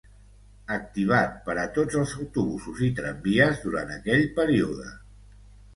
Activat per a tots els autobusos i tramvies durant aquell període.